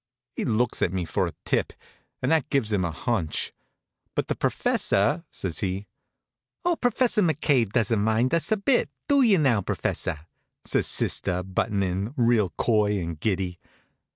He looks at me for a tip, and that gives him a hunch. "But the professor " says he. "Oh, Professor McCabe doesn't mind us a bit; do you now, professor?" says sister, buttin' in, real coy and giddy.